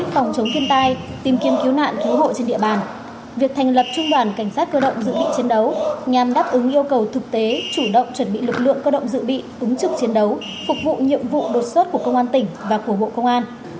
cơ động dự bị chiến đấu nhằm đáp ứng yêu cầu thực tế chủ động chuẩn bị lực lượng cơ động dự bị túng trực chiến đấu phục vụ nhiệm vụ đột xuất của công an tỉnh và của bộ công an